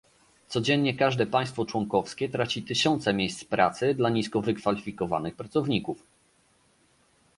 Codziennie każde państwo członkowskie traci tysiące miejsc pracy dla nisko wykwalifikowanych pracowników